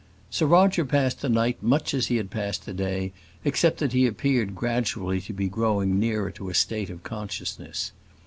Sir Roger passed the night much as he had passed the day, except that he appeared gradually to be growing nearer to a state of consciousness.